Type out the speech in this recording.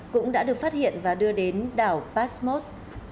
cũng đã được phát hiện và đưa đến đảo pasmos